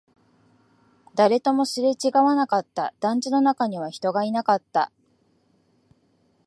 誰ともすれ違わなかった、団地の中には人がいなかった